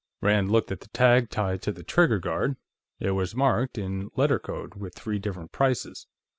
Rand looked at the tag tied to the trigger guard; it was marked, in letter code, with three different prices.